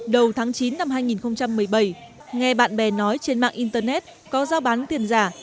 đầu tháng chín năm hai nghìn một mươi bảy nghe bạn bè nói trên mạng internet có giao bán tiền giả